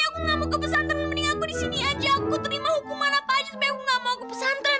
aku terima hukuman apa aja supaya aku gak mau ke pesantren